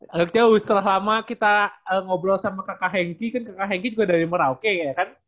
lalu setelah lama kita ngobrol sama kakak hengki kan kakak hengki juga dari merauke ya kan